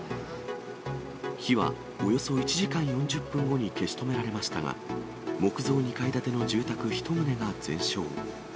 火はおよそ１時間４０分後に消し止められましたが、木造２階建ての住宅１棟が全焼。